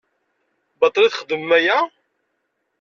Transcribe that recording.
Baṭel i txeddmem aya?